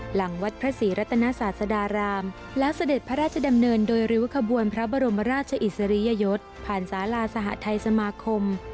หลังวัดพระศรีรัตนศาสดารามแล้วเสด็จพระราชดำเนินโดยริ้วขบวนพระบรมราชอิสริยยศผ่านศาลาสหทัยสมาคม